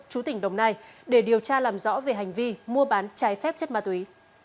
chú tỉnh đồng nai để điều tra làm rõ về hành vi mua bán trái phép chất ma túy